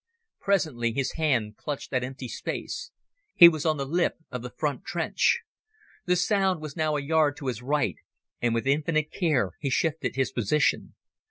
Presently his hand clutched at empty space. He was on the lip of the front trench. The sound was now a yard to his right, and with infinite care he shifted his position.